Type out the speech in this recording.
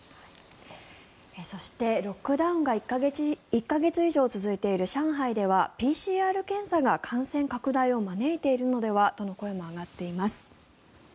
そして、ロックダウンが１か月以上続いている上海ではＰＣＲ検査が感染拡大を招いているのではという声も上がっています。